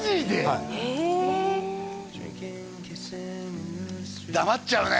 はい黙っちゃうね